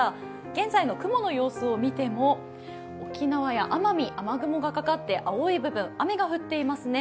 現在の雲の様子を見ても、沖縄や奄美、雨雲がかかって青い部分、雨が降っていますね。